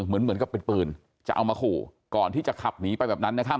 เหมือนกับเป็นปืนจะเอามาขู่ก่อนที่จะขับหนีไปแบบนั้นนะครับ